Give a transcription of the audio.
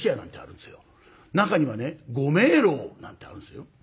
中にはね五明楼なんてあるんですよ。